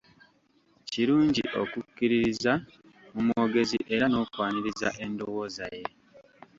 Kirungi okukkiririza mu mwogezi era n'okwaniriza endowooza ye.